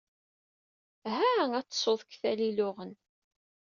Ha ad tessuḍ seg tala-a iluɣen.